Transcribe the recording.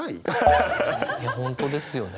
いや本当ですよね。